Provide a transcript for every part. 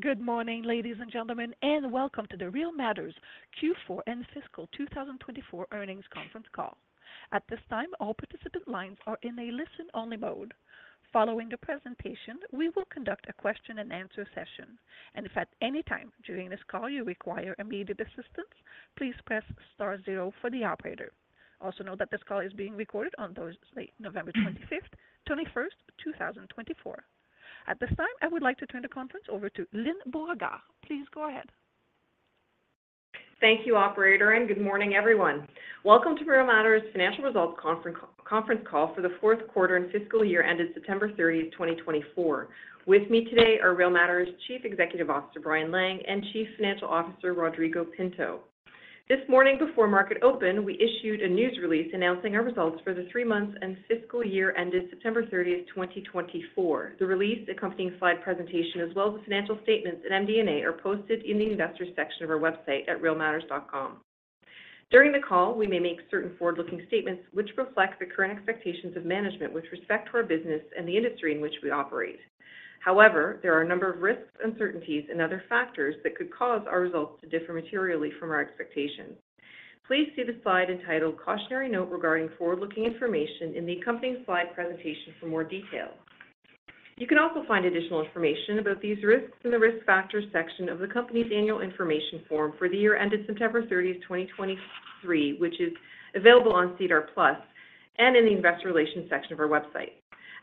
Good morning, ladies and gentlemen, and welcome to the Real Matters Q4 and Fiscal 2024 earnings conference call. At this time, all participant lines are in a listen-only mode. Following the presentation, we will conduct a question-and-answer session, and if at any time during this call you require immediate assistance, please press star zero for the operator. Also note that this call is being recorded on Thursday, November 7th, 2024. At this time, I would like to turn the conference over to Lyne Beauregard. Please go ahead. Thank you, Operator, and good morning, everyone. Welcome to Real Matters' financial results conference call for the fourth quarter and fiscal year ended September 30th, 2024. With me today are Real Matters' Chief Executive Officer Brian Lang and Chief Financial Officer Rodrigo Pinto. This morning, before market open, we issued a news release announcing our results for the three months and fiscal year ended September 30th, 2024. The release, accompanying slide presentation, as well as the financial statements and MD&A, are posted in the Investors section of our website @realmatters.com. During the call, we may make certain forward-looking statements which reflect the current expectations of management with respect to our business and the industry in which we operate. However, there are a number of risks, uncertainties, and other factors that could cause our results to differ materially from our expectations. Please see the slide entitled "Cautionary Note Regarding Forward-Looking Information" in the accompanying slide presentation for more detail. You can also find additional information about these risks in the risk factors section of the company's Annual Information Form for the year ended September 30th, 2023, which is available on SEDAR+ and in the Investor Relations section of our website.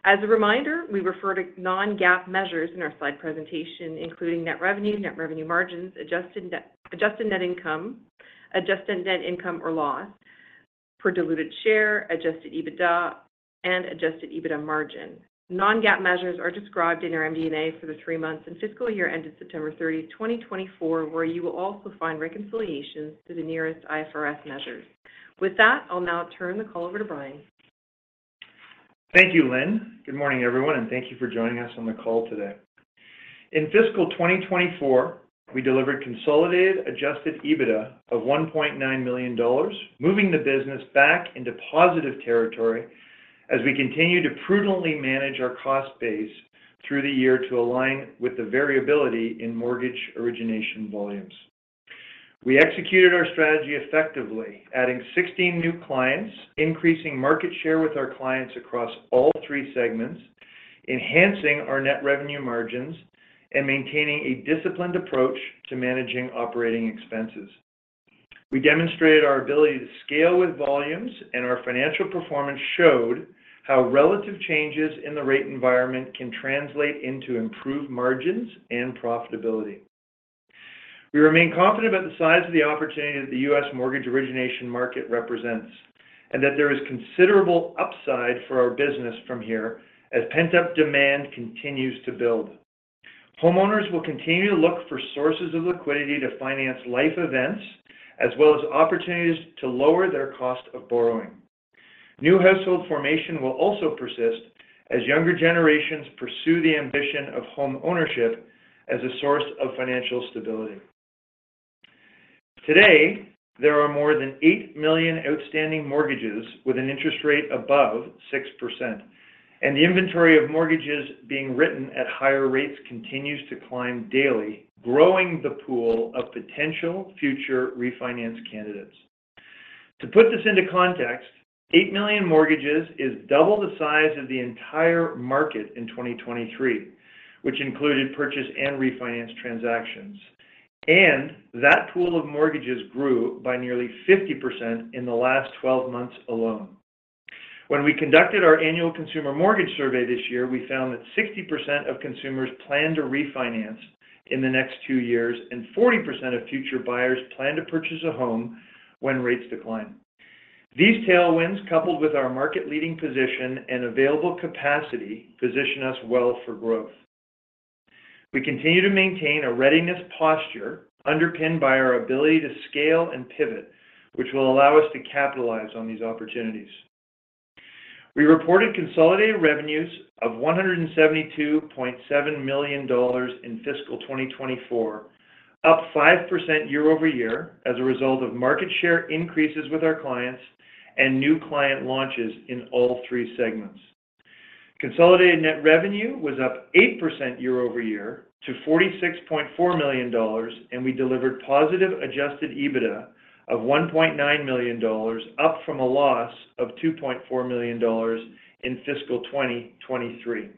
As a reminder, we refer to Non-GAAP measures in our slide presentation, including net revenue, net revenue margins, adjusted net income, adjusted net income or loss per diluted share, adjusted EBITDA, and adjusted EBITDA margin. Non-GAAP measures are described in our MD&A for the three months and fiscal year ended September 30th, 2024, where you will also find reconciliations to the nearest IFRS measures. With that, I'll now turn the call over to Brian. Thank you, Lynne. Good morning, everyone, and thank you for joining us on the call today. In fiscal 2024, we delivered consolidated Adjusted EBITDA of $1.9 million, moving the business back into positive territory as we continue to prudently manage our cost base through the year to align with the variability in mortgage origination volumes. We executed our strategy effectively, adding 16 new clients, increasing market share with our clients across all three segments, enhancing our net revenue margins, and maintaining a disciplined approach to managing operating expenses. We demonstrated our ability to scale with volumes, and our financial performance showed how relative changes in the rate environment can translate into improved margins and profitability. We remain confident about the size of the opportunity that the U.S. mortgage origination market represents and that there is considerable upside for our business from here as pent-up demand continues to build. Homeowners will continue to look for sources of liquidity to finance life events as well as opportunities to lower their cost of borrowing. New household formation will also persist as younger generations pursue the ambition of home ownership as a source of financial stability. Today, there are more than 8 million outstanding mortgages with an interest rate above 6%, and the inventory of mortgages being written at higher rates continues to climb daily, growing the pool of potential future refinance candidates. To put this into context, 8 million mortgages is double the size of the entire market in 2023, which included purchase and refinance transactions, and that pool of mortgages grew by nearly 50% in the last 12 months alone. When we conducted our annual consumer mortgage survey this year, we found that 60% of consumers plan to refinance in the next two years, and 40% of future buyers plan to purchase a home when rates decline. These tailwinds, coupled with our market-leading position and available capacity, position us well for growth. We continue to maintain a readiness posture underpinned by our ability to scale and pivot, which will allow us to capitalize on these opportunities. We reported consolidated revenues of $172.7 million in fiscal 2024, up 5% year-over-year as a result of market share increases with our clients and new client launches in all three segments. Consolidated net revenue was up 8% year-over-year to $46.4 million, and we delivered positive Adjusted EBITDA of $1.9 million, up from a loss of $2.4 million in fiscal 2023.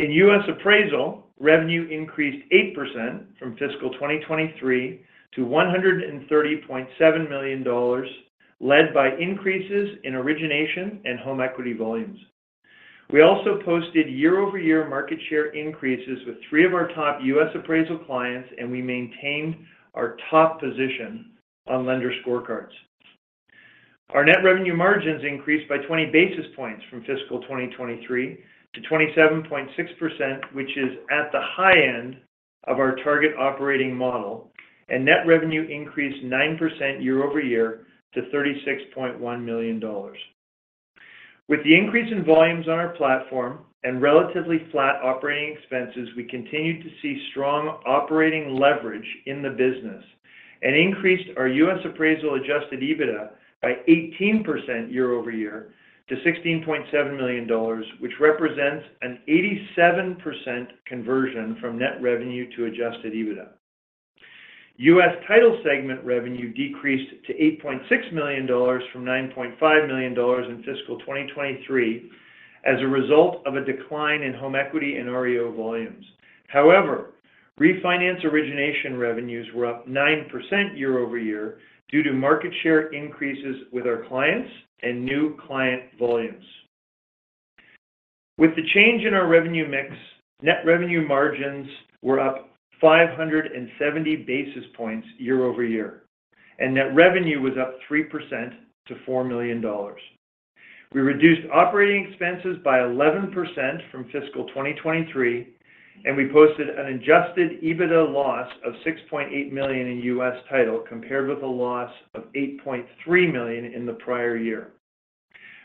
In U.S. appraisal, revenue increased 8% from fiscal 2023 to $130.7 million, led by increases in origination and home equity volumes. We also posted year-over-year market share increases with three of our top U.S. Appraisal clients, and we maintained our top position on lender scorecards. Our net revenue margins increased by 20 basis points from fiscal 2023 to 27.6%, which is at the high end of our target operating model, and net revenue increased 9% year-over-year to $36.1 million. With the increase in volumes on our platform and relatively flat operating expenses, we continued to see strong operating leverage in the business and increased our U.S. Appraisal Adjusted EBITDA by 18% year-over-year to $16.7 million, which represents an 87% conversion from net revenue to Adjusted EBITDA. U.S. Title segment revenue decreased to $8.6 million from $9.5 million in fiscal 2023 as a result of a decline in home equity and REO volumes. However, refinance origination revenues were up 9% year-over-year due to market share increases with our clients and new client volumes. With the change in our revenue mix, net revenue margins were up 570 basis points year-over-year, and net revenue was up 3% to $4 million. We reduced operating expenses by 11% from fiscal 2023, and we posted an adjusted EBITDA loss of $6.8 million in U.S. Title compared with a loss of $8.3 million in the prior year.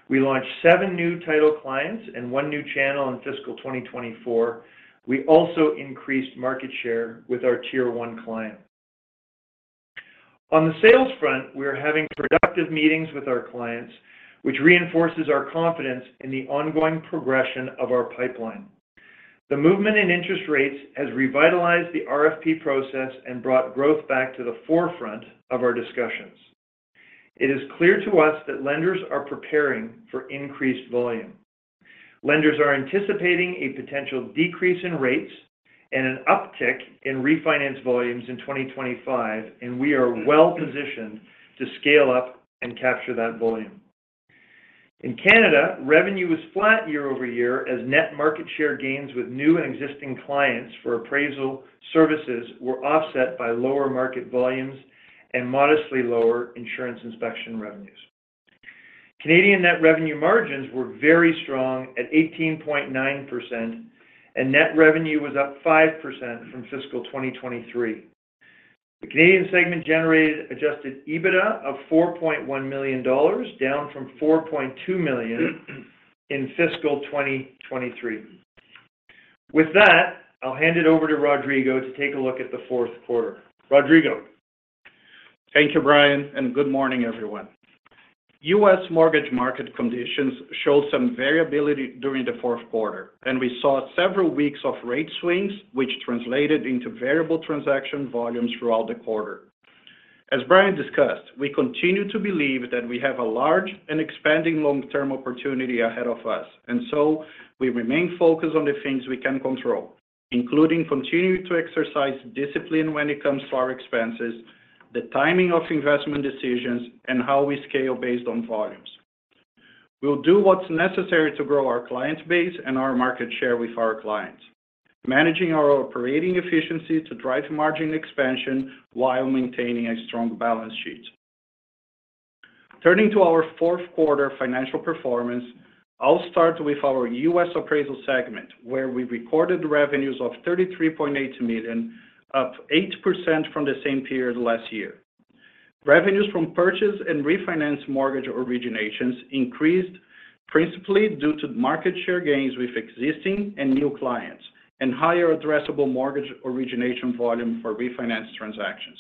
We launched seven new title clients and one new channel in fiscal 2024. We also increased market share with our Tier 1 client. On the sales front, we are having productive meetings with our clients, which reinforces our confidence in the ongoing progression of our pipeline. The movement in interest rates has revitalized the RFP process and brought growth back to the forefront of our discussions. It is clear to us that lenders are preparing for increased volume. Lenders are anticipating a potential decrease in rates and an uptick in refinance volumes in 2025, and we are well-positioned to scale up and capture that volume. In Canada, revenue was flat year-over-year as net market share gains with new and existing clients for appraisal services were offset by lower market volumes and modestly lower insurance inspection revenues. Canadian net revenue margins were very strong at 18.9%, and net revenue was up 5% from fiscal 2023. The Canadian segment generated Adjusted EBITDA of $4.1 million, down from $4.2 million in fiscal 2023. With that, I'll hand it over to Rodrigo to take a look at the fourth quarter. Rodrigo. Thank you, Brian, and good morning, everyone. U.S. mortgage market conditions showed some variability during the fourth quarter, and we saw several weeks of rate swings, which translated into variable transaction volumes throughout the quarter. As Brian discussed, we continue to believe that we have a large and expanding long-term opportunity ahead of us, and so we remain focused on the things we can control, including continuing to exercise discipline when it comes to our expenses, the timing of investment decisions, and how we scale based on volumes. We'll do what's necessary to grow our client base and our market share with our clients, managing our operating efficiency to drive margin expansion while maintaining a strong balance sheet. Turning to our fourth quarter financial performance, I'll start with our U.S. appraisal segment, where we recorded revenues of $33.8 million, up 8% from the same period last year. Revenues from purchase and refinance mortgage originations increased principally due to market share gains with existing and new clients and higher addressable mortgage origination volume for refinance transactions.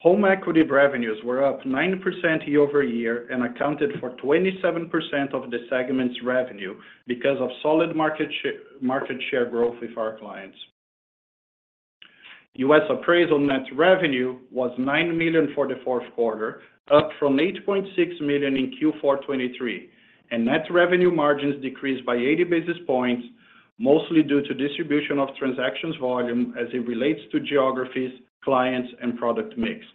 Home equity revenues were up 9% year-over-year and accounted for 27% of the segment's revenue because of solid market share growth with our clients. U.S. appraisal net revenue was $9 million for the fourth quarter, up from $8.6 million in Q4 2023, and net revenue margins decreased by 80 basis points, mostly due to distribution of transactions volume as it relates to geographies, clients, and product mix.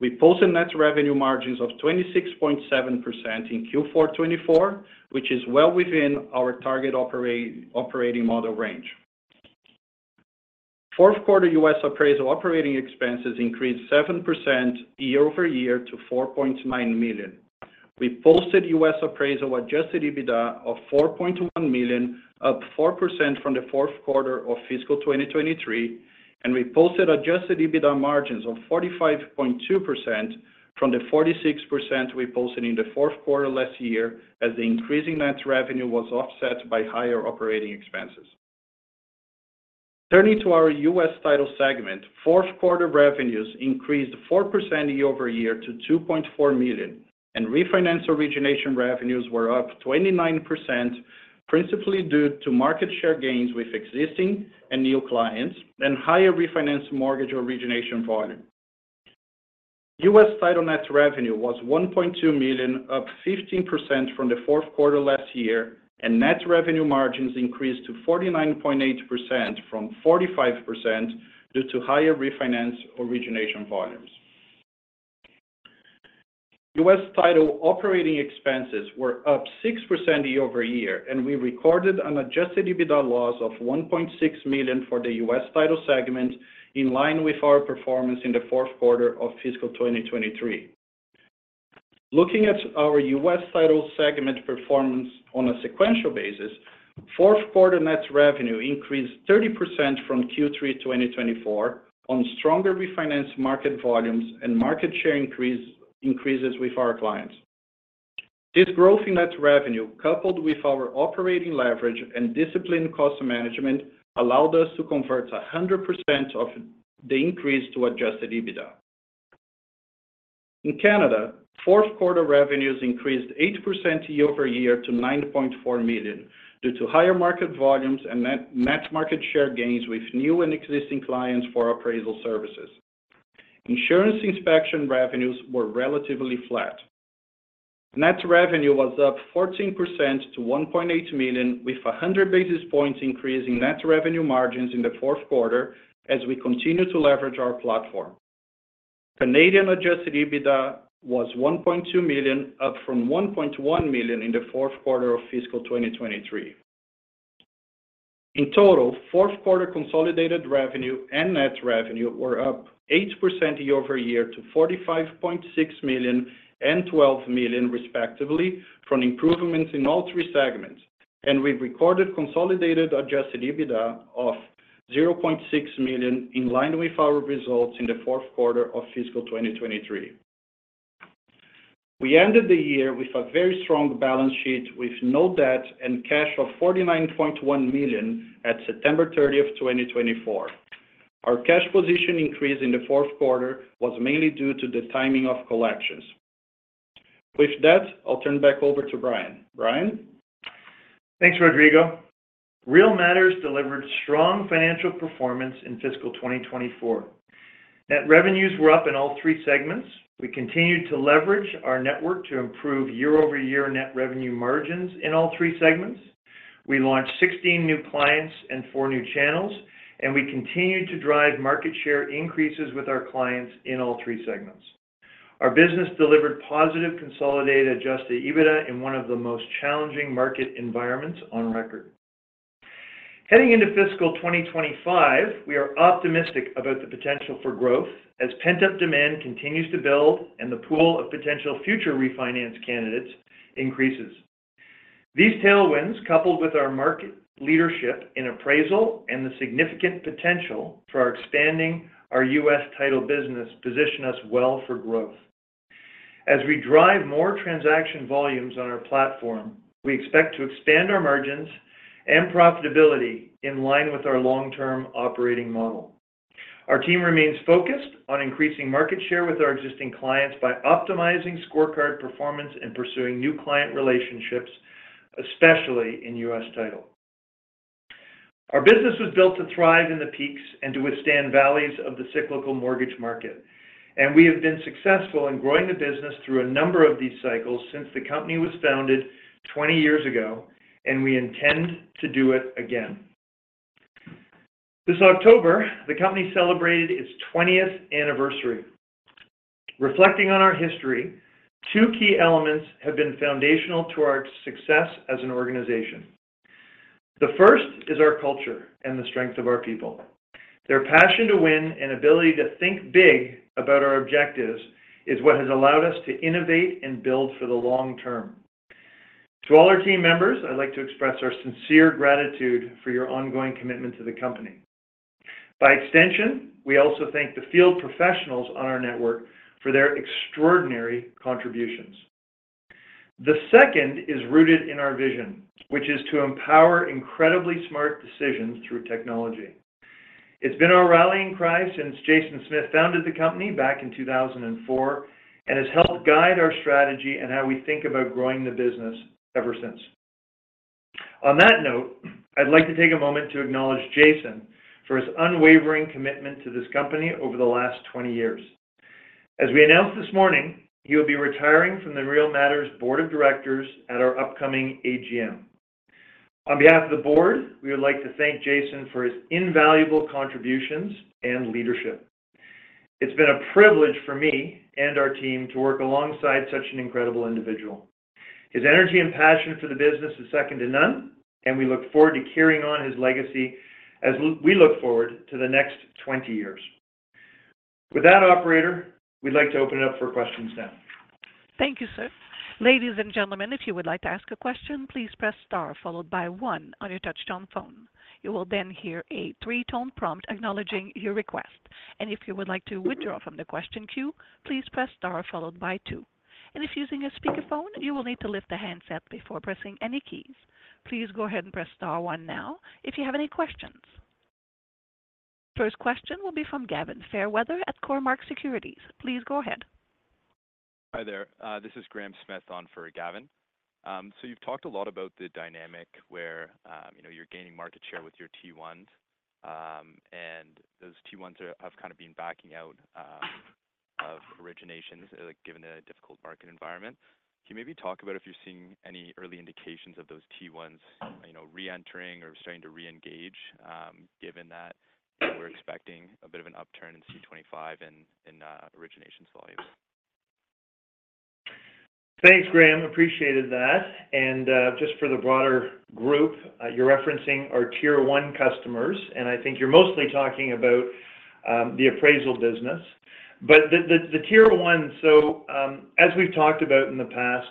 We posted net revenue margins of 26.7% in Q4 2024, which is well within our target operating model range. Fourth quarter U.S. appraisal operating expenses increased 7% year-over-year to $4.9 million. We posted U.S. Appraisal Adjusted EBITDA of $4.1 million, up 4% from the fourth quarter of fiscal 2023, and we posted Adjusted EBITDA margins of 45.2% from the 46% we posted in the fourth quarter last year as the increasing net revenue was offset by higher operating expenses. Turning to our U.S. title segment, fourth quarter revenues increased 4% year-over-year to $2.4 million, and refinance origination revenues were up 29%, principally due to market share gains with existing and new clients and higher refinance mortgage origination volume. U.S. title net revenue was $1.2 million, up 15% from the fourth quarter last year, and net revenue margins increased to 49.8% from 45% due to higher refinance origination volumes. U.S. title operating expenses were up 6% year-over-year, and we recorded an Adjusted EBITDA loss of $1.6 million for the U.S. title segment in line with our performance in the fourth quarter of fiscal 2023. Looking at our U.S. Title segment performance on a sequential basis, fourth quarter net revenue increased 30% from Q3 2024 on stronger refinance market volumes and market share increases with our clients. This growth in net revenue, coupled with our operating leverage and disciplined cost management, allowed us to convert 100% of the increase to Adjusted EBITDA. In Canada, fourth quarter revenues increased 8% year-over-year to $9.4 million due to higher market volumes and net market share gains with new and existing clients for appraisal services. Insurance inspection revenues were relatively flat. Net revenue was up 14% to $1.8 million, with 100 basis points increase in net revenue margins in the fourth quarter as we continue to leverage our platform. Canadian Adjusted EBITDA was $1.2 million, up from $1.1 million in the fourth quarter of fiscal 2023. In total, fourth quarter consolidated revenue and net revenue were up 8% year-over-year to $45.6 million and $12 million, respectively, from improvements in all three segments, and we recorded consolidated Adjusted EBITDA of $0.6 million in line with our results in the fourth quarter of fiscal 2023. We ended the year with a very strong balance sheet with no debt and cash of $49.1 million at September 30, 2024. Our cash position increase in the fourth quarter was mainly due to the timing of collections. With that, I'll turn back over to Brian. Brian? Thanks, Rodrigo. Real Matters delivered strong financial performance in fiscal 2024. Net revenues were up in all three segments. We continued to leverage our network to improve year-over-year net revenue margins in all three segments. We launched 16 new clients and four new channels, and we continued to drive market share increases with our clients in all three segments. Our business delivered positive consolidated Adjusted EBITDA in one of the most challenging market environments on record. Heading into fiscal 2025, we are optimistic about the potential for growth as pent-up demand continues to build and the pool of potential future refinance candidates increases. These tailwinds, coupled with our market leadership in appraisal and the significant potential for expanding our U.S. Title business, position us well for growth. As we drive more transaction volumes on our platform, we expect to expand our margins and profitability in line with our long-term operating model. Our team remains focused on increasing market share with our existing clients by optimizing Scorecard performance and pursuing new client relationships, especially in U.S. Title. Our business was built to thrive in the peaks and to withstand valleys of the cyclical mortgage market, and we have been successful in growing the business through a number of these cycles since the company was founded 20 years ago, and we intend to do it again. This October, the company celebrated its 20th anniversary. Reflecting on our history, two key elements have been foundational to our success as an organization. The first is our culture and the strength of our people. Their passion to win and ability to think big about our objectives is what has allowed us to innovate and build for the long term. To all our team members, I'd like to express our sincere gratitude for your ongoing commitment to the company. By extension, we also thank the field professionals on our network for their extraordinary contributions. The second is rooted in our vision, which is to empower incredibly smart decisions through technology. It's been our rallying cry since Jason Smith founded the company back in 2004 and has helped guide our strategy and how we think about growing the business ever since. On that note, I'd like to take a moment to acknowledge Jason for his unwavering commitment to this company over the last 20 years. As we announced this morning, he will be retiring from the Real Matters Board of Directors at our upcoming AGM. On behalf of the board, we would like to thank Jason for his invaluable contributions and leadership. It's been a privilege for me and our team to work alongside such an incredible individual. His energy and passion for the business is second to none, and we look forward to carrying on his legacy as we look forward to the next 20 years. With that, Operator, we'd like to open it up for questions now. Thank you, sir. Ladies and gentlemen, if you would like to ask a question, please press star followed by one on your touch-tone phone. You will then hear a three-tone prompt acknowledging your request. And if you would like to withdraw from the question queue, please press star followed by two. And if using a speakerphone, you will need to lift the handset before pressing any keys. Please go ahead and press star one now if you have any questions. First question will be from Gavin Fairweather at Cormark Securities. Please go ahead. Hi there. This is Graham Smith on for Gavin. So you've talked a lot about the dynamic where you're gaining market share with your T1s, and those T1s have kind of been backing out of originations given the difficult market environment. Can you maybe talk about if you're seeing any early indications of those T1s re-entering or starting to re-engage given that we're expecting a bit of an upturn in C25 and in originations volumes? Thanks, Graham. Appreciated that. And just for the broader group, you're referencing our Tier 1 customers, and I think you're mostly talking about the appraisal business. But the Tier 1s, so as we've talked about in the past,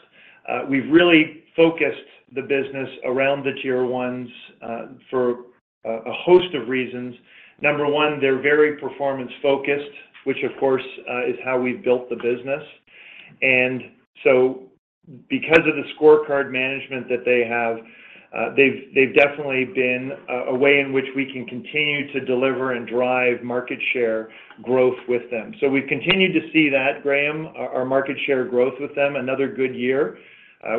we've really focused the business around the Tier 1s for a host of reasons. Number one, they're very performance-focused, which, of course, is how we've built the business. And so because of the scorecard management that they have, they've definitely been a way in which we can continue to deliver and drive market share growth with them. So we've continued to see that, Graham, our market share growth with them another good year.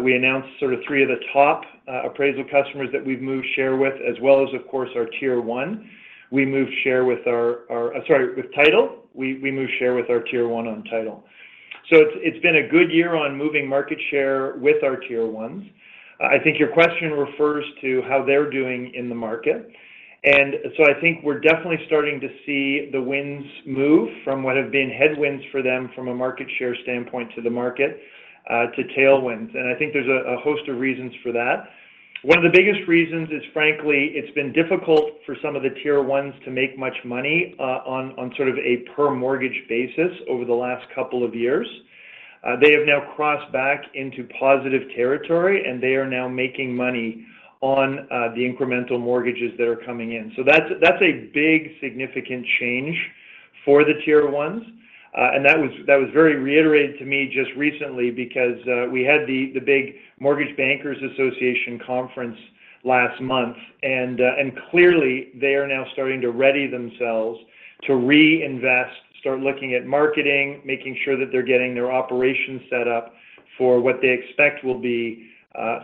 We announced sort of three of the top appraisal customers that we've moved share with, as well as, of course, our Tier 1. We moved share with our, sorry, with title. We moved share with our Tier 1 on title. It's been a good year on moving market share with our Tier 1s. I think your question refers to how they're doing in the market. And so I think we're definitely starting to see the winds move from what have been headwinds for them from a market share standpoint to the market to tailwinds. And I think there's a host of reasons for that. One of the biggest reasons is, frankly, it's been difficult for some of the Tier 1s to make much money on sort of a per-mortgage basis over the last couple of years. They have now crossed back into positive territory, and they are now making money on the incremental mortgages that are coming in. So that's a big, significant change for the Tier 1s. And that was very reiterated to me just recently because we had the big Mortgage Bankers Association conference last month, and clearly, they are now starting to ready themselves to reinvest, start looking at marketing, making sure that they're getting their operations set up for what they expect will be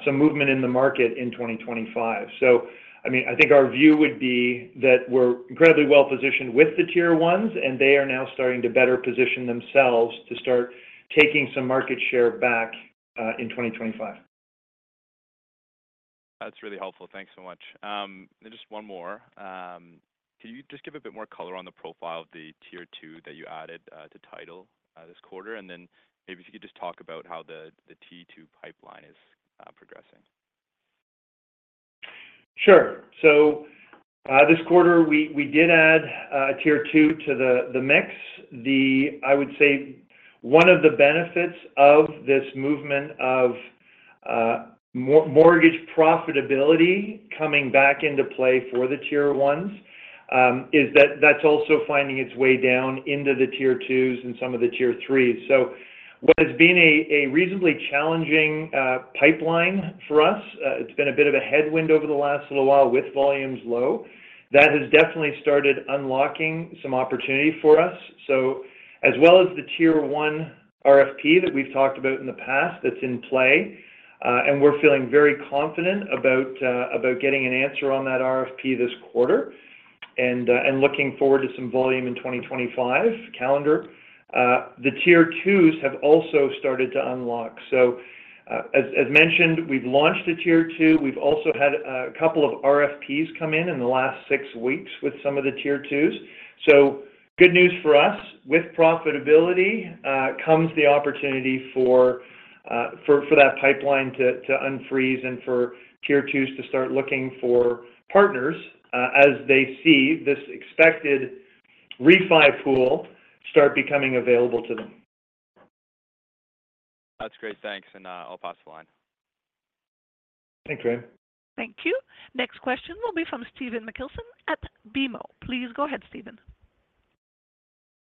some movement in the market in 2025. So, I mean, I think our view would be that we're incredibly well-positioned with the Tier 1s, and they are now starting to better position themselves to start taking some market share back in 2025. That's really helpful. Thanks so much. And just one more. Can you just give a bit more color on the profile of the Tier 2 that you added to Title this quarter? And then maybe if you could just talk about how the T2 pipeline is progressing? Sure. So this quarter, we did add Tier 2 to the mix. I would say one of the benefits of this movement of mortgage profitability coming back into play for the Tier 1s is that that's also finding its way down into the Tier 2s and some of the Tier 3s. So what has been a reasonably challenging pipeline for us, it's been a bit of a headwind over the last little while with volumes low. That has definitely started unlocking some opportunity for us. So as well as the Tier 1 RFP that we've talked about in the past that's in play, and we're feeling very confident about getting an answer on that RFP this quarter and looking forward to some volume in 2025 calendar, the Tier 2s have also started to unlock. So as mentioned, we've launched a Tier 2. We've also had a couple of RFPs come in in the last six weeks with some of the tier twos. So good news for us. With profitability comes the opportunity for that pipeline to unfreeze and for tier twos to start looking for partners as they see this expected refi pool start becoming available to them. That's great. Thanks, and I'll pass the line. Thanks, Graham. Thank you. Next question will be from Stephen MacLeod at BMO. Please go ahead, Stephen.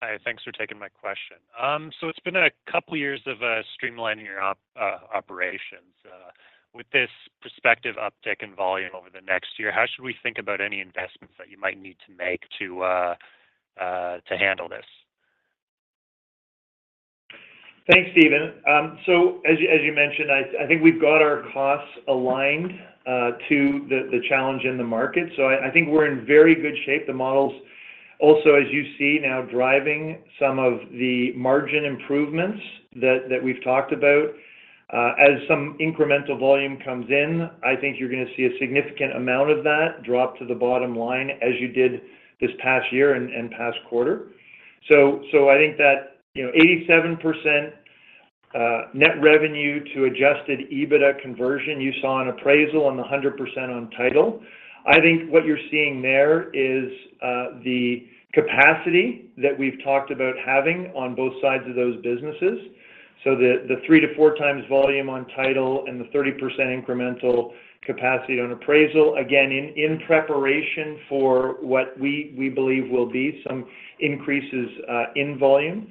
Hi. Thanks for taking my question. So it's been a couple of years of streamlining your operations. With this prospective uptick in volume over the next year, how should we think about any investments that you might need to make to handle this? Thanks, Stephen. So as you mentioned, I think we've got our costs aligned to the challenge in the market. So I think we're in very good shape. The models also, as you see now, driving some of the margin improvements that we've talked about. As some incremental volume comes in, I think you're going to see a significant amount of that drop to the bottom line as you did this past year and past quarter. So I think that 87% net revenue to Adjusted EBITDA conversion you saw on appraisal and the 100% on title. I think what you're seeing there is the capacity that we've talked about having on both sides of those businesses. So the three to four times volume on title and the 30% incremental capacity on appraisal, again, in preparation for what we believe will be some increases in volume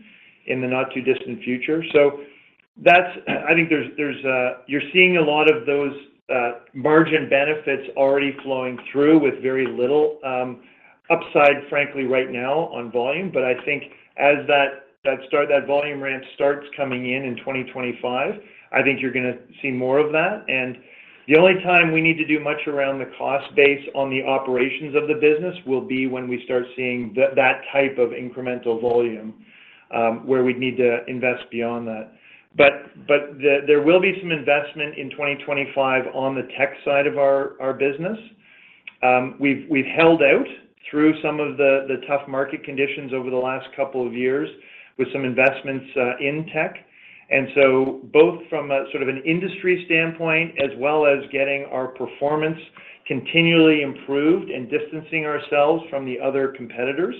in the not-too-distant future. So I think you're seeing a lot of those margin benefits already flowing through with very little upside, frankly, right now on volume. But I think as that volume ramp starts coming in in 2025, I think you're going to see more of that. And the only time we need to do much around the cost base on the operations of the business will be when we start seeing that type of incremental volume where we'd need to invest beyond that. But there will be some investment in 2025 on the tech side of our business. We've held out through some of the tough market conditions over the last couple of years with some investments in tech. And so, both from a sort of an industry standpoint as well as getting our performance continually improved and distancing ourselves from the other competitors,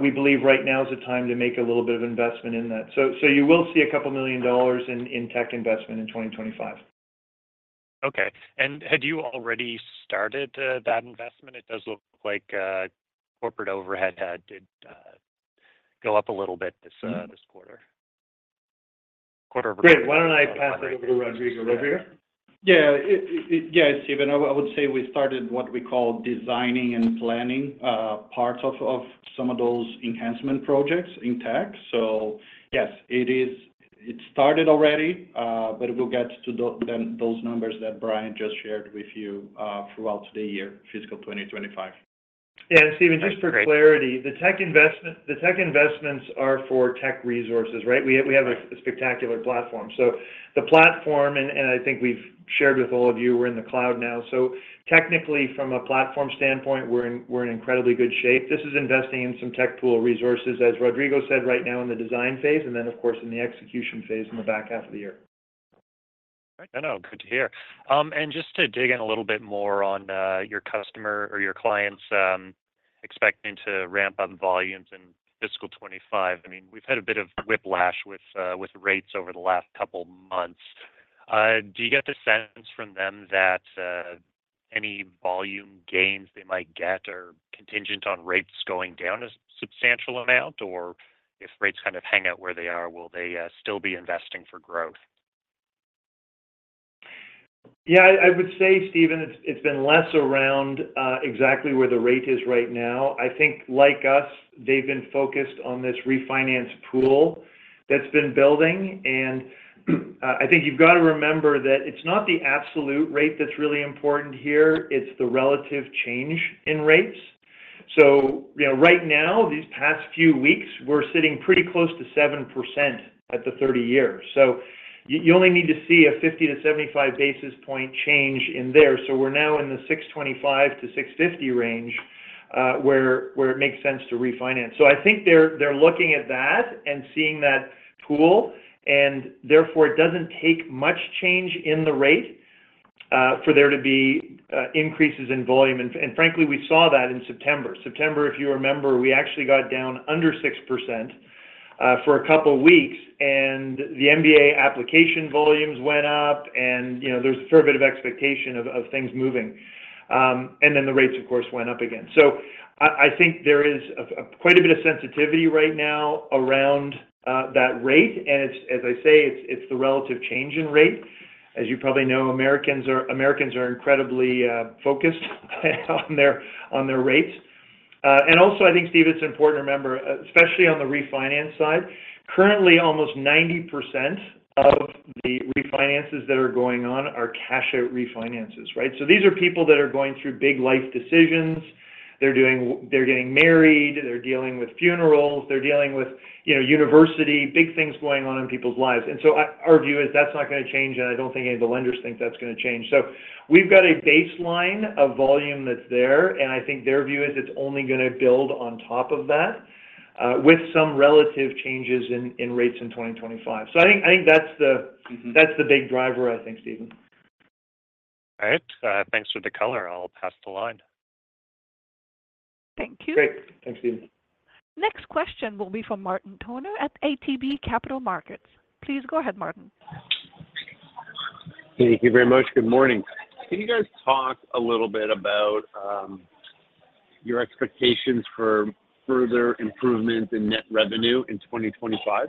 we believe right now is a time to make a little bit of investment in that. So you will see a couple of million dollars in tech investment in 2025. Okay. And had you already started that investment? It does look like corporate overhead did go up a little bit this quarter. Great. Why don't I pass it over to Rodrigo? Rodrigo? Yeah. Yeah, Stephen, I would say we started what we call designing and planning parts of some of those enhancement projects in tech. So yes, it started already, but it will get to those numbers that Brian just shared with you throughout the year, fiscal 2025. Yeah. And Stephen, just for clarity, the tech investments are for tech resources, right? We have a spectacular platform. So the platform, and I think we've shared with all of you, we're in the cloud now. So technically, from a platform standpoint, we're in incredibly good shape. This is investing in some tech pool resources, as Rodrigo said, right now in the design phase and then, of course, in the execution phase in the back half of the year. No, no. Good to hear. And just to dig in a little bit more on your customer or your clients expecting to ramp up volumes in fiscal 2025. I mean, we've had a bit of whiplash with rates over the last couple of months. Do you get the sense from them that any volume gains they might get are contingent on rates going down a substantial amount? Or if rates kind of hang out where they are, will they still be investing for growth? Yeah. I would say, Stephen, it's been less around exactly where the rate is right now. I think, like us, they've been focused on this refinance pool that's been building. And I think you've got to remember that it's not the absolute rate that's really important here. It's the relative change in rates. So right now, these past few weeks, we're sitting pretty close to 7% at the 30-year. So you only need to see a 50-75 basis points change in there. So we're now in the 625-650 range where it makes sense to refinance. So I think they're looking at that and seeing that pool, and therefore, it doesn't take much change in the rate for there to be increases in volume. And frankly, we saw that in September. September, if you remember, we actually got down under 6% for a couple of weeks, and the MBA application volumes went up, and there's a fair bit of expectation of things moving, and then the rates, of course, went up again, so I think there is quite a bit of sensitivity right now around that rate, and as I say, it's the relative change in rate. As you probably know, Americans are incredibly focused on their rates, and also, I think, Steve, it's important to remember, especially on the refinance side, currently, almost 90% of the refinances that are going on are cash-out refinances, right, so these are people that are going through big life decisions. They're getting married. They're dealing with funerals. They're dealing with university, big things going on in people's lives. And so our view is that's not going to change, and I don't think any of the lenders think that's going to change. So we've got a baseline of volume that's there, and I think their view is it's only going to build on top of that with some relative changes in rates in 2025. So I think that's the big driver, I think, Stephen. All right. Thanks for the color. I'll pass the line. Thank you. Great. Thanks, Stephen. Next question will be from Martin Toner at ATB Capital Markets. Please go ahead, Martin. Thank you very much. Good morning. Can you guys talk a little bit about your expectations for further improvements in net revenue in 2025?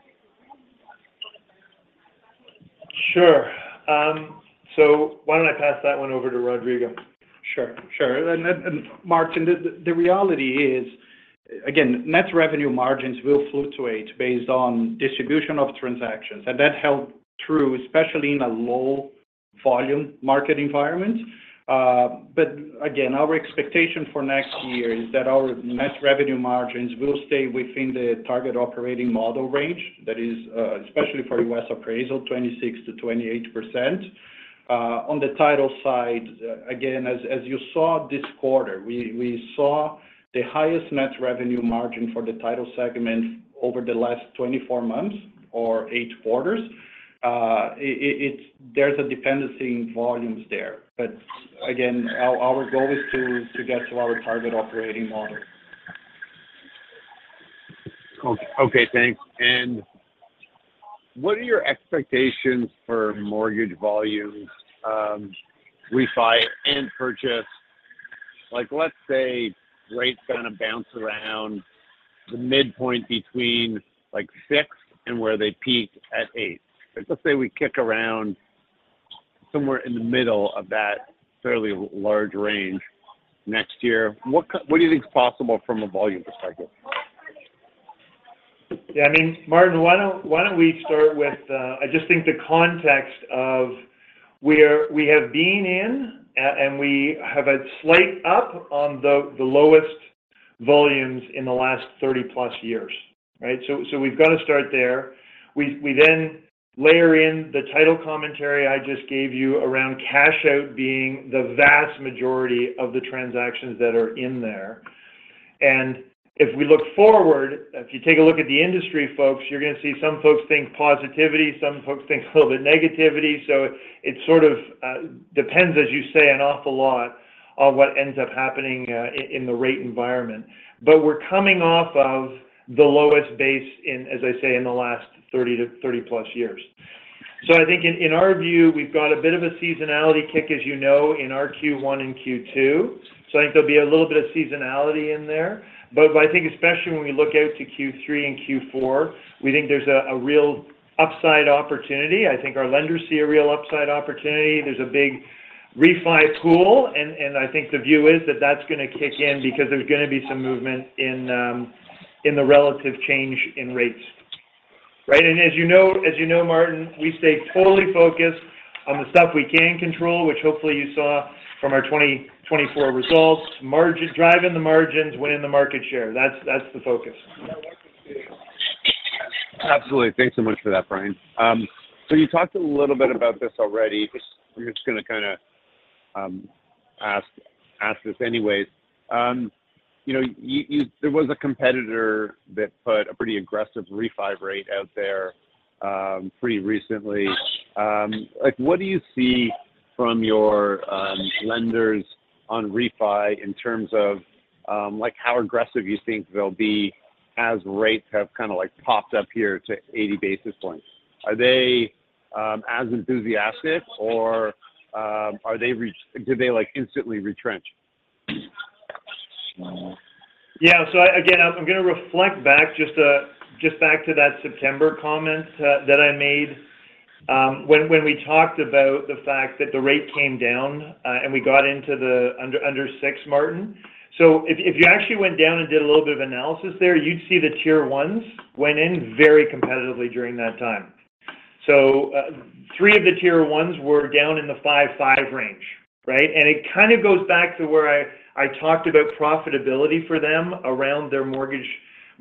Sure. So why don't I pass that one over to Rodrigo? Sure. Sure. And Martin, the reality is, again, net revenue margins will fluctuate based on distribution of transactions. And that held true, especially in a low-volume market environment. But again, our expectation for next year is that our net revenue margins will stay within the target operating model range. That is, especially for U.S. appraisal, 26%-28%. On the title side, again, as you saw this quarter, we saw the highest net revenue margin for the title segment over the last 24 months or eight quarters. There's a dependency in volumes there. But again, our goal is to get to our target operating model. Okay. Thanks. And what are your expectations for mortgage volumes, refi and purchase? Let's say rates kind of bounce around the midpoint between 6% and where they peaked at 8%. Let's say we kick around somewhere in the middle of that fairly large range next year. What do you think's possible from a volume perspective? Yeah. I mean, Martin, why don't we start with I just think the context of where we have been in, and we have a slight up on the lowest volumes in the last 30-plus years, right? So we've got to start there. We then layer in the title commentary I just gave you around cash-out being the vast majority of the transactions that are in there. And if we look forward, if you take a look at the industry, folks, you're going to see some folks think positivity. Some folks think a little bit negativity. So it sort of depends, as you say, an awful lot on what ends up happening in the rate environment. But we're coming off of the lowest base, as I say, in the last 30-plus years. So I think in our view, we've got a bit of a seasonality kick, as you know, in our Q1 and Q2. So I think there'll be a little bit of seasonality in there. But I think especially when we look out to Q3 and Q4, we think there's a real upside opportunity. I think our lenders see a real upside opportunity. There's a big refi pool. And I think the view is that that's going to kick in because there's going to be some movement in the relative change in rates, right? And as you know, Martin, we stay totally focused on the stuff we can control, which hopefully you saw from our 2024 results. Driving the margins within the market share. That's the focus. Absolutely. Thanks so much for that, Brian. So you talked a little bit about this already. I'm just going to kind of ask this anyways. There was a competitor that put a pretty aggressive refi rate out there pretty recently. What do you see from your lenders on refi in terms of how aggressive you think they'll be as rates have kind of popped up here to 80 basis points? Are they as enthusiastic, or did they instantly retrench? Yeah. So again, I'm going to reflect back just back to that September comment that I made when we talked about the fact that the rate came down and we got into the under 6, Martin. So if you actually went down and did a little bit of analysis there, you'd see the Tier 1s went in very competitively during that time. So three of the Tier 1s were down in the 5.5 range, right? And it kind of goes back to where I talked about profitability for them around their mortgage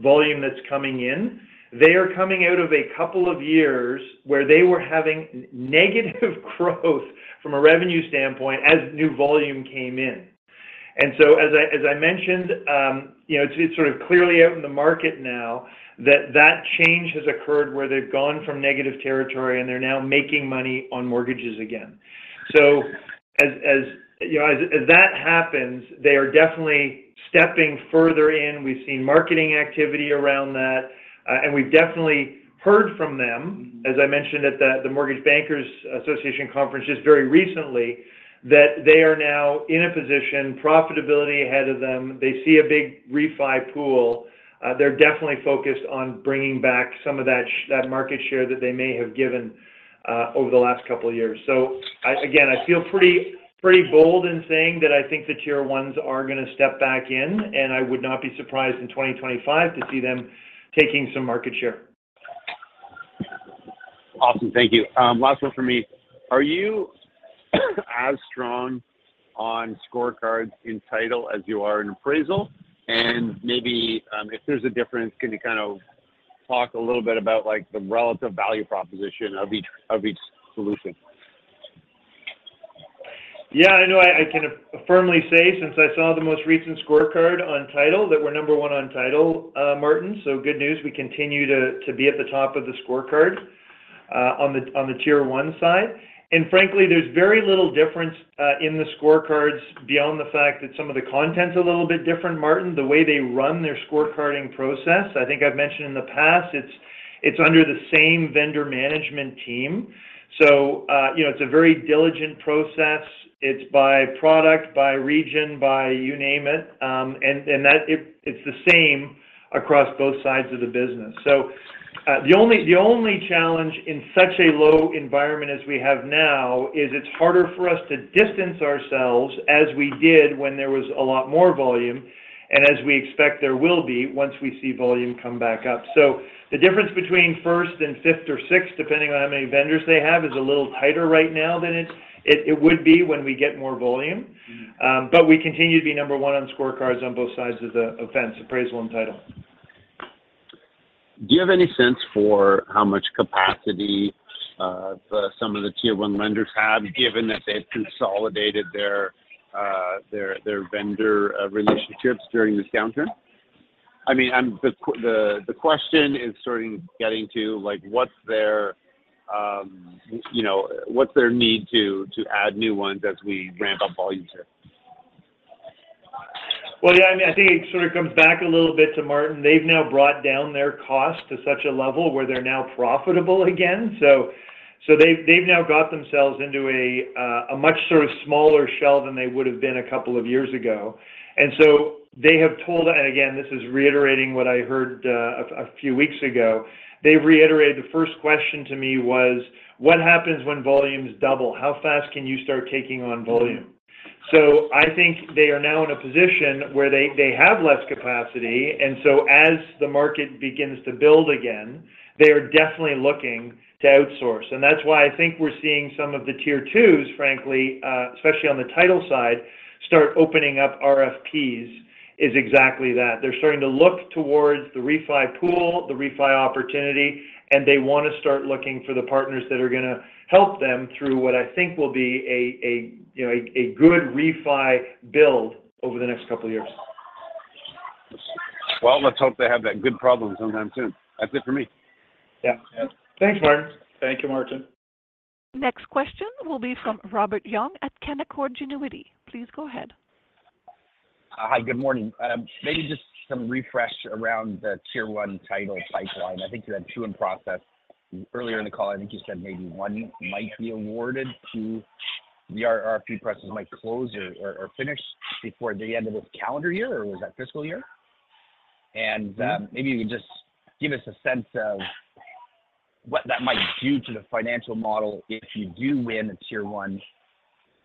volume that's coming in. They are coming out of a couple of years where they were having negative growth from a revenue standpoint as new volume came in. And so as I mentioned, it's sort of clearly out in the market now that that change has occurred where they've gone from negative territory, and they're now making money on mortgages again. So as that happens, they are definitely stepping further in. We've seen marketing activity around that. And we've definitely heard from them, as I mentioned at the Mortgage Bankers Association conference just very recently, that they are now in a position, profitability ahead of them. They see a big refi pool. They're definitely focused on bringing back some of that market share that they may have given over the last couple of years. So again, I feel pretty bold in saying that I think the tier ones are going to step back in, and I would not be surprised in 2025 to see them taking some market share. Awesome. Thank you. Last one for me. Are you as strong on scorecards in title as you are in appraisal? And maybe if there's a difference, can you kind of talk a little bit about the relative value proposition of each solution? Yeah. I know I can firmly say, since I saw the most recent scorecard on title, that we're number one on title, Martin. So good news. We continue to be at the top of the scorecard on the tier one side. And frankly, there's very little difference in the scorecards beyond the fact that some of the content's a little bit different, Martin, the way they run their scorecarding process. I think I've mentioned in the past, it's under the same vendor management team. So it's a very diligent process. It's by product, by region, by you name it. And it's the same across both sides of the business. So the only challenge in such a low environment as we have now is it's harder for us to distance ourselves as we did when there was a lot more volume and as we expect there will be once we see volume come back up. So the difference between first and fifth or sixth, depending on how many vendors they have, is a little tighter right now than it would be when we get more volume. But we continue to be number one on scorecards on both sides of the fence, appraisal and title. Do you have any sense for how much capacity some of the tier one lenders have given that they've consolidated their vendor relationships during this downturn? I mean, the question is sort of getting to what's their need to add new ones as we ramp up volume here? Yeah. I mean, I think it sort of comes back a little bit to Martin. They've now brought down their cost to such a level where they're now profitable again. So they've now got themselves into a much smaller shell than they would have been a couple of years ago. And so they have told, and again, this is reiterating what I heard a few weeks ago. They've reiterated the first question to me was, "What happens when volumes double? How fast can you start taking on volume?" So I think they are now in a position where they have less capacity. And so as the market begins to build again, they are definitely looking to outsource. And that's why I think we're seeing some of the Tier 2s, frankly, especially on the title side, start opening up RFPs. That's exactly that. They're starting to look towards the refi pool, the refi opportunity, and they want to start looking for the partners that are going to help them through what I think will be a good refi build over the next couple of years. Well, let's hope they have that good problem sometime soon. That's it for me. Yeah. Thanks, Martin. Thank you, Martin. Next question will be from Robert Young at Canaccord Genuity. Please go ahead. Hi. Good morning. Maybe just some refresh around the Tier 1 title pipeline. I think you had two in process. Earlier in the call, I think you said maybe one might be awarded to the RFP process might close or finish before the end of this calendar year, or was that fiscal year? And maybe you could just give us a sense of what that might do to the financial model if you do win a Tier 1,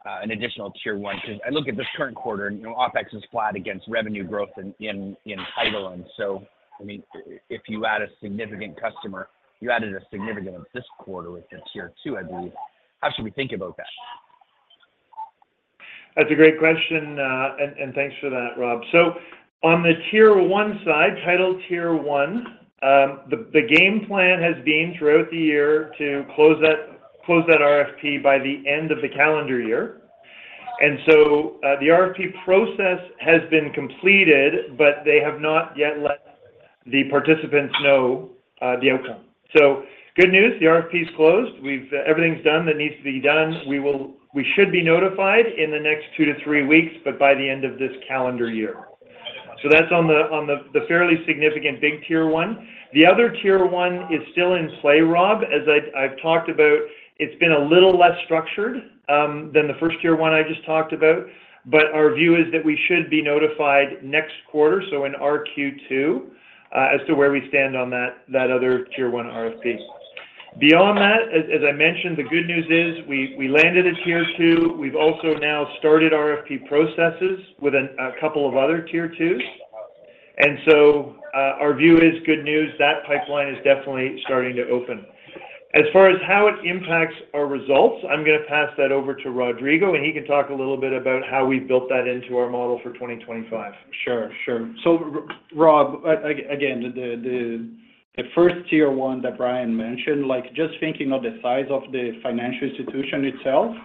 an additional Tier 1. Because I look at this current quarter, and OPEX is flat against revenue growth in title. And so I mean, if you add a significant customer, you added a significant one this quarter with the Tier 2, I believe. How should we think about that? That's a great question. And thanks for that, Rob. So on the tier one side, title tier one, the game plan has been throughout the year to close that RFP by the end of the calendar year. And so the RFP process has been completed, but they have not yet let the participants know the outcome. So good news. The RFP is closed. Everything's done that needs to be done. We should be notified in the next two-to-three weeks, but by the end of this calendar year. So that's on the fairly significant big tier one. The other tier one is still in play, Rob. As I've talked about, it's been a little less structured than the first tier one I just talked about. But our view is that we should be notified next quarter, so in Q2, as to where we stand on that other tier one RFP. Beyond that, as I mentioned, the good news is we landed a tier two. We've also now started RFP processes with a couple of other tier twos. And so our view is good news. That pipeline is definitely starting to open. As far as how it impacts our results, I'm going to pass that over to Rodrigo, and he can talk a little bit about how we've built that into our model for 2025. Sure. Sure. So Rob, again, the first tier one that Brian mentioned, just thinking of the size of the financial institution itself,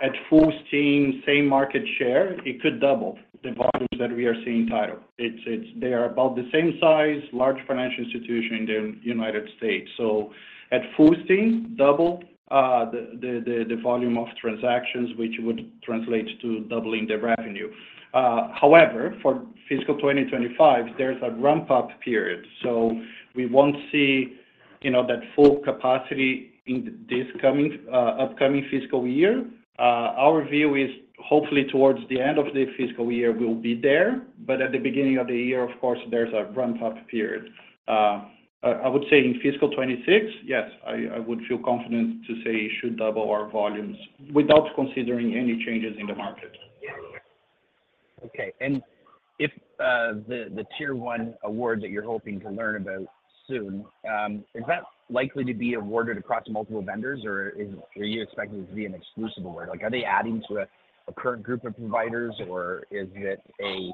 at full steam, same market share, it could double the volumes that we are seeing in title. They are about the same size, large financial institution in the United States. So at full steam, double the volume of transactions, which would translate to doubling the revenue. However, for fiscal 2025, there's a ramp-up period. So we won't see that full capacity in this upcoming fiscal year. Our view is hopefully towards the end of the fiscal year, we'll be there. But at the beginning of the year, of course, there's a ramp-up period. I would say in fiscal 2026, yes, I would feel confident to say it should double our volumes without considering any changes in the market. Okay. And if the tier one award that you're hoping to learn about soon, is that likely to be awarded across multiple vendors, or are you expecting it to be an exclusive award? Are they adding to a current group of providers, or is it a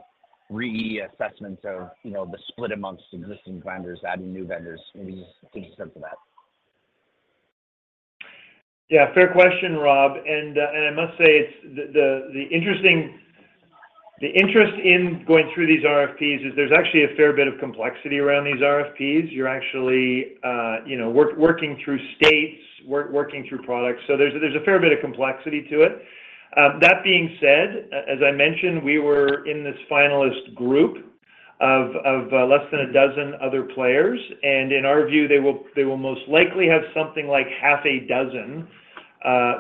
reassessment of the split amongst existing vendors, adding new vendors? Maybe just give us a sense of that. Yeah. Fair question, Rob. And I must say the interest in going through these RFPs is there's actually a fair bit of complexity around these RFPs. You're actually working through states, working through products. So there's a fair bit of complexity to it. That being said, as I mentioned, we were in this finalist group of less than a dozen other players. And in our view, they will most likely have something like half a dozen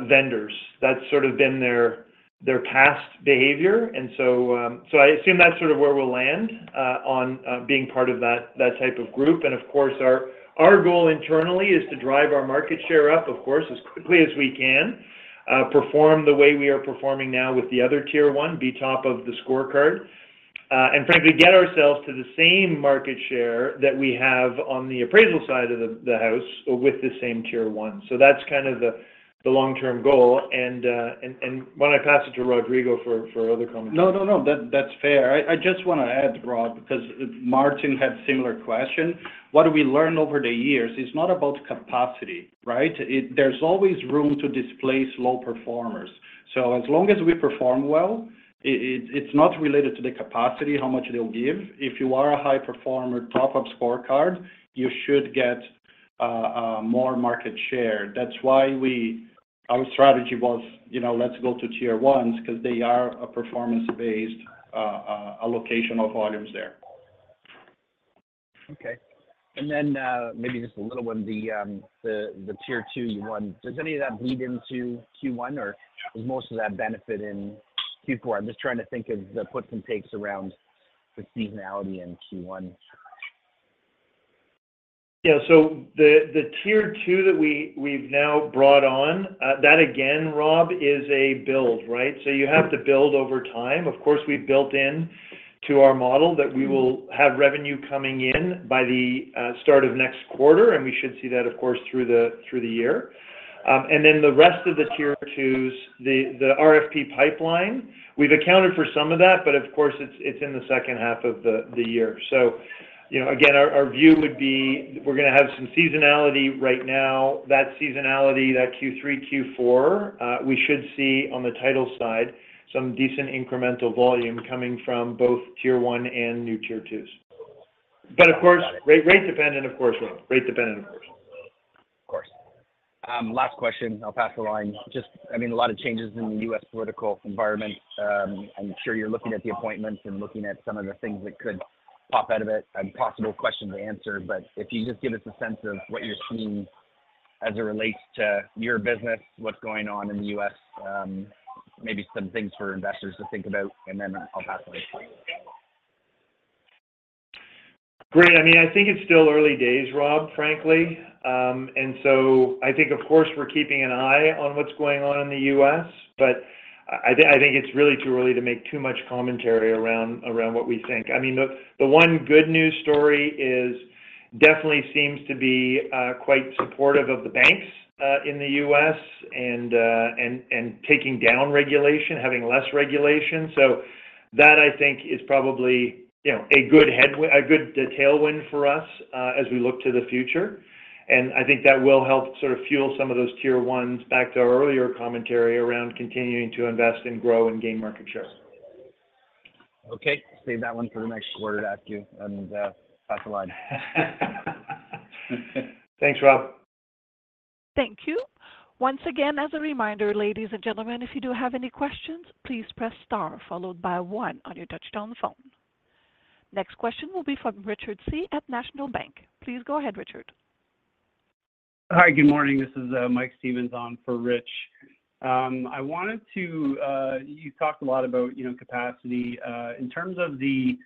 vendors. That's sort of been their past behavior. And so I assume that's sort of where we'll land on being part of that type of group. And of course, our goal internally is to drive our market share up, of course, as quickly as we can, perform the way we are performing now with the other tier one, be top of the scorecard, and frankly, get ourselves to the same market share that we have on the appraisal side of the house with the same tier one. So that's kind of the long-term goal. And when I pass it to Rodrigo for other comments. No, no, no. That's fair. I just want to add, Rob, because Martin had a similar question. What we learned over the years is not about capacity, right? There's always room to displace low performers. So as long as we perform well, it's not related to the capacity, how much they'll give. If you are a high-performer, top-up scorecard, you should get more market share. That's why our strategy was, let's go to Tier 1s because they are a performance-based allocation of volumes there. Okay. And then maybe just a little one, the Tier 2 you won, does any of that bleed into Q1, or is most of that benefit in Q4? I'm just trying to think of the puts and takes around the seasonality in Q1. Yeah. So the tier two that we've now brought on, that again, Rob, is a build, right? So you have to build over time. Of course, we've built into our model that we will have revenue coming in by the start of next quarter, and we should see that, of course, through the year. And then the rest of the tier twos, the RFP pipeline, we've accounted for some of that, but of course, it's in the second half of the year. So again, our view would be we're going to have some seasonality right now. That seasonality, that Q3, Q4, we should see on the title side some decent incremental volume coming from both tier one and new tier twos. But of course, rate-dependent, of course, Rob. Rate-dependent, of course. Of course. Last question. I'll pass the line. Just, I mean, a lot of changes in the U.S. political environment. I'm sure you're looking at the appointments and looking at some of the things that could pop out of it and possible questions to answer. But if you just give us a sense of what you're seeing as it relates to your business, what's going on in the U.S., maybe some things for investors to think about, and then I'll pass the line. Great. I mean, I think it's still early days, Rob, frankly, and so I think, of course, we're keeping an eye on what's going on in the U.S., but I think it's really too early to make too much commentary around what we think. I mean, the one good news story definitely seems to be quite supportive of the banks in the U.S. and taking down regulation, having less regulation, so that, I think, is probably a good tailwind for us as we look to the future, and I think that will help sort of fuel some of those tier ones back to our earlier commentary around continuing to invest and grow and gain market share. Okay. Save that one for the next quarter to ask you and pass the line. Thanks, Rob. Thank you. Once again, as a reminder, ladies and gentlemen, if you do have any questions, please press star followed by one on your touch-tone phone. Next question will be from Richard Tse at National Bank Financial. Please go ahead, Richard. Hi. Good morning. This is Mike Stevens on for Rich. I wanted to, you talked a lot about capacity. In terms of the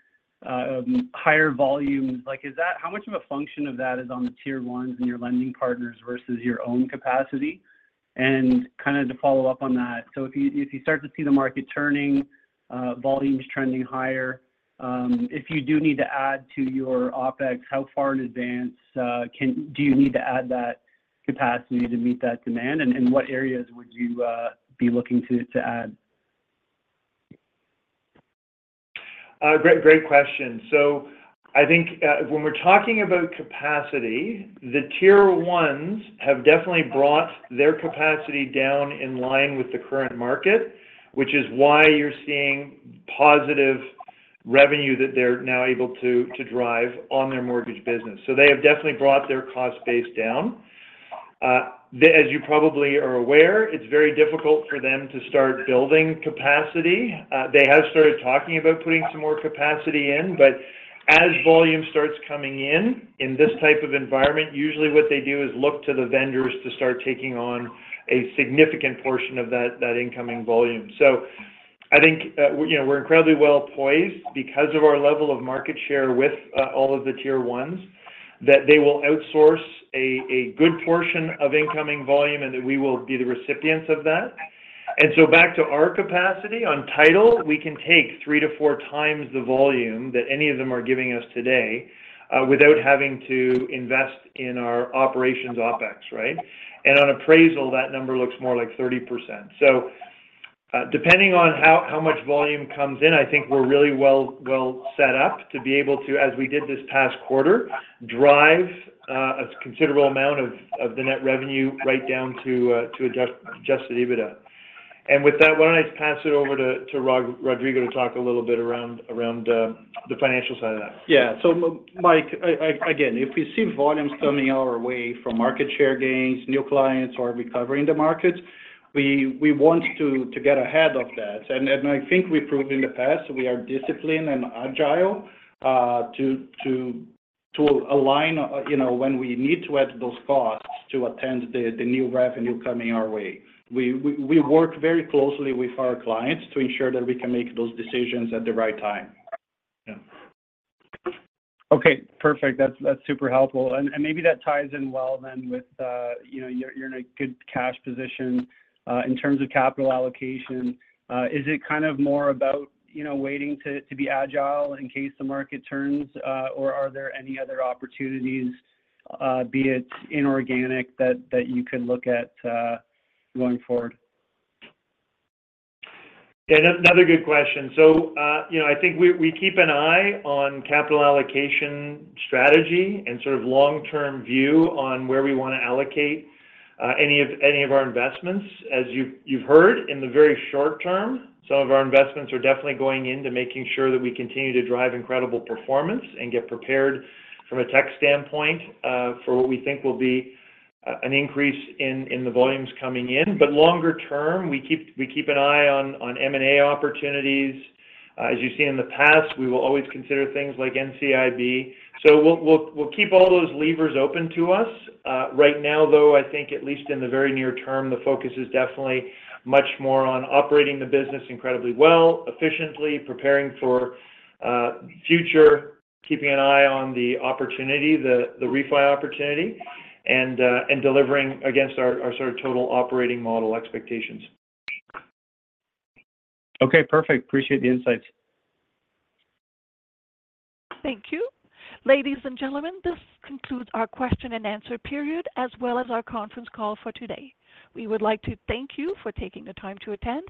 higher volumes, how much of a function of that is on the tier ones and your lending partners versus your own capacity? And kind of to follow up on that, so if you start to see the market turning, volumes trending higher, if you do need to add to your OpEx, how far in advance do you need to add that capacity to meet that demand? And what areas would you be looking to add? Great question. So I think when we're talking about capacity, the Tier 1s have definitely brought their capacity down in line with the current market, which is why you're seeing positive revenue that they're now able to drive on their mortgage business. So they have definitely brought their cost base down. As you probably are aware, it's very difficult for them to start building capacity. They have started talking about putting some more capacity in, but as volume starts coming in, in this type of environment, usually what they do is look to the vendors to start taking on a significant portion of that incoming volume. So I think we're incredibly well poised because of our level of market share with all of the Tier 1s that they will outsource a good portion of incoming volume and that we will be the recipients of that. And so back to our capacity on title, we can take three to four times the volume that any of them are giving us today without having to invest in our operations OpEx, right? And on appraisal, that number looks more like 30%. So depending on how much volume comes in, I think we're really well set up to be able to, as we did this past quarter, drive a considerable amount of the net revenue right down to Adjusted EBITDA. And with that, why don't I just pass it over to Rodrigo to talk a little bit around the financial side of that? Yeah. So Mike, again, if we see volumes coming our way from market share gains, new clients are recovering the markets, we want to get ahead of that. And I think we've proven in the past that we are disciplined and agile to align when we need to add those costs to attend the new revenue coming our way. We work very closely with our clients to ensure that we can make those decisions at the right time. Yeah. Okay. Perfect. That's super helpful, and maybe that ties in well then with you're in a good cash position. In terms of capital allocation, is it kind of more about waiting to be agile in case the market turns, or are there any other opportunities, be it inorganic, that you could look at going forward? Yeah. Another good question. So I think we keep an eye on capital allocation strategy and sort of long-term view on where we want to allocate any of our investments. As you've heard, in the very short term, some of our investments are definitely going into making sure that we continue to drive incredible performance and get prepared from a tech standpoint for what we think will be an increase in the volumes coming in. But longer term, we keep an eye on M&A opportunities. As you've seen in the past, we will always consider things like NCIB. So we'll keep all those levers open to us. Right now, though, I think at least in the very near term, the focus is definitely much more on operating the business incredibly well, efficiently, preparing for future, keeping an eye on the opportunity, the refund opportunity, and delivering against our sort of total operating model expectations. Okay. Perfect. Appreciate the insights. Thank you. Ladies and gentlemen, this concludes our question and answer period as well as our conference call for today. We would like to thank you for taking the time to attend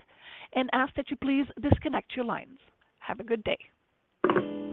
and ask that you please disconnect your lines. Have a good day.